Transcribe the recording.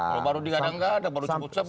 kalau baru di gadang gadang baru sebut sebut